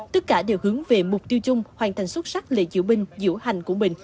tất cả đều hướng về mục tiêu chung hoàn thành xuất sắc lễ diễu binh diễu hành của mình